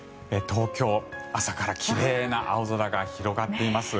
東京、朝から奇麗な青空が広がっています。